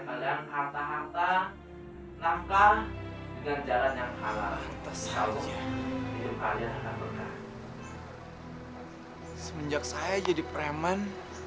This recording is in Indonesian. ada harta harta nangka dengan jalan yang halal semenjak saya jadi preman